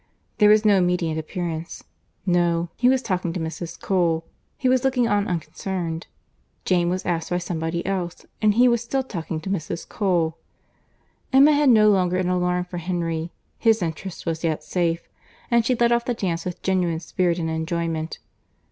There was no immediate appearance. No; he was talking to Mrs. Cole—he was looking on unconcerned; Jane was asked by somebody else, and he was still talking to Mrs. Cole. Emma had no longer an alarm for Henry; his interest was yet safe; and she led off the dance with genuine spirit and enjoyment.